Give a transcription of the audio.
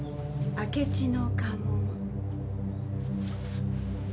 明智の家紋？